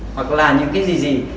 hoặc là những cái gì gì